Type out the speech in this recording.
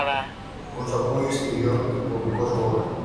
Con su apoyo escribió y publicó su obra.